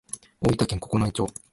大分県九重町